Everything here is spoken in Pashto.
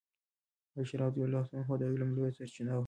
عائشه رضی الله عنها د علم لویه سرچینه وه.